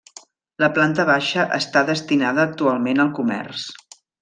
La planta baixa està destinada actualment al comerç.